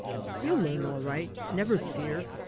"You'll learn, all right. Never fear.